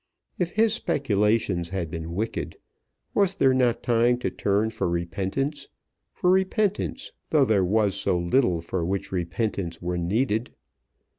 If his speculations had been wicked, was there not time to turn for repentance, for repentance, though there was so little for which repentance were needed?